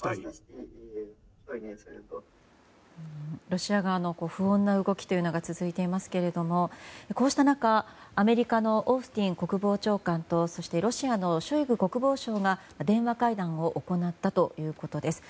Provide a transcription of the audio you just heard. ロシア側の不穏な動きが続いていますけれどもこうした中、アメリカのオースティン国防長官とそしてロシアのショイグ国防相が電話会談を行ったということです。